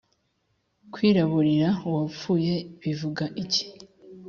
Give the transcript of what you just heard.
Kwiraburira uwapfuye bivuga iki?